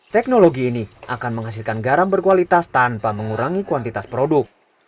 teknologi ini akan menghasilkan garam berkualitas tanpa mengurangi kuantitas produk